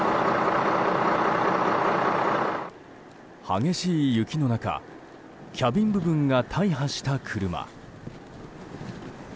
激しい雪の中キャビン部分が大破した車。